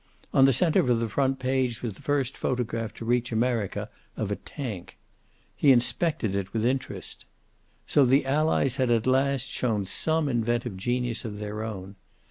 On the center of the front page was the first photograph to reach America of a tank. He inspected it with interest. So the Allies had at last shown same inventive genius of their own!